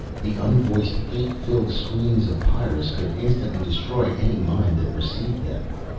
The unvoiced hate filled screams of Pyrrus would instantly destroy any mind that received them.